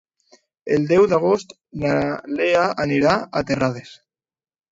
El deu d'agost na Lea anirà a Terrades.